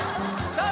さあ